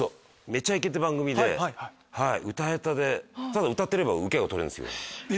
『めちゃイケ』って番組で「歌へた」でただ歌ってればウケが取れるんですよ。